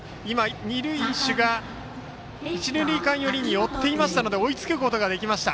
二塁手が一、二塁間に寄っていたので追いつくことができました。